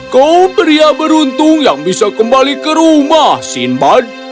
kau pria beruntung yang bisa kembali ke rumah sinbad